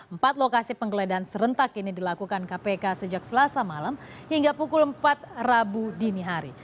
empat lokasi penggeledahan serentak ini dilakukan kpk sejak selasa malam hingga pukul empat rabu dini hari